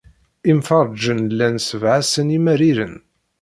Imfeṛṛǧen llan ssebɣasen imariren.